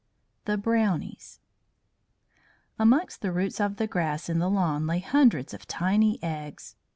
THE BROWNIES Amongst the roots of the grass in the lawn lay hundreds of tiny eggs.